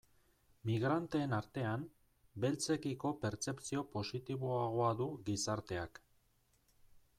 Migranteen artean, beltzekiko pertzepzio positiboagoa du gizarteak.